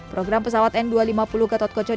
program pesawat n dua ratus lima puluh gatotko cakaria